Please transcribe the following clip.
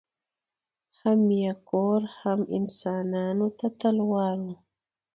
هم یې کور هم انسانانو ته تلوار وو